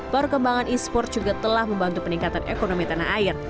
perkembangan esports juga telah membantu peningkatan ekonomi tanah air